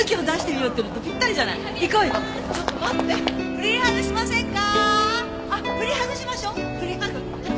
フリーハグしませんか？